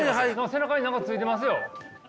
背中に何かついてますよ。